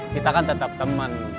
kita kan tetap temen